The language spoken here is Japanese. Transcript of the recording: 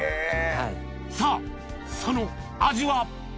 さぁその味は？